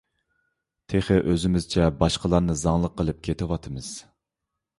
تېخى ئۆزىمىزچە باشقىلارنى زاڭلىق قىلىپ كېتىۋاتىمىز.